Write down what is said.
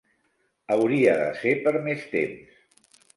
Hauria de ser per més temps.